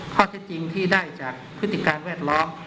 ข้อเท็จจริงที่ได้จากพฤติการแวดล้อม